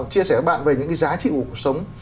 chia sẻ các bạn về những cái giá trị của cuộc sống